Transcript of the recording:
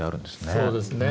そうですね。